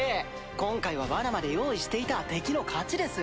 今回は罠まで用意していた敵の勝ちです。